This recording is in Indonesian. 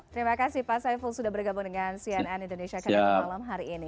terima kasih pak saiful sudah bergabung dengan cnn indonesia connected malam hari ini